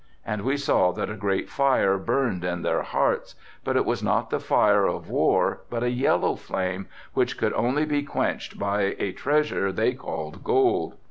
And we saw that a great fire burned in their hearts, but it was not the fire of war but a yellow flame, which could only be quenched by a treasure they called 'gold.